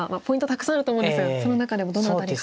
たくさんあると思うんですがその中でもどの辺りが。